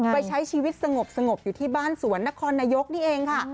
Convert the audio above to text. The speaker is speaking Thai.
ไปใช้ชีวิตสงบอยู่ที่บ้านสวนนครนายกนี่เองค่ะ